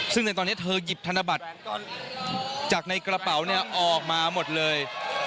ซึ่งในตอนนี้เธอหยิบธนบัตรจากในกระเป๋าเนี่ยออกมาหมดเลย